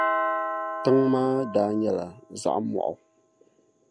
Tiŋ' maa daa nyɛla zaɣ' mɔɣu.